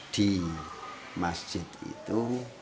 di masjid itu